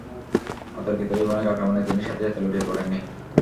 অতর্কিত এ ভয়ানক আক্রমণে তিনি সাথে সাথে লুটিয়ে পড়েননি।